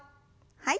はい。